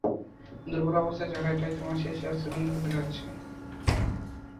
দুর্বল অবস্থায় ঝরা এটাই তোমার শেষ অশ্রুবিন্দু হতে যাচ্ছে।